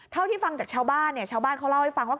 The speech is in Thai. เท่าที่ฟังจากชาวบ้านเนี่ยชาวบ้านเขาเล่าให้ฟังว่า